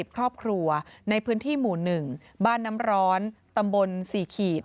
ครอบครัวในพื้นที่หมู่๑บ้านน้ำร้อนตำบล๔ขีด